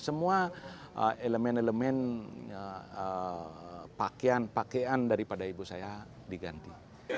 semua elemen elemen pakaian pakaian daripada ibu saya diganti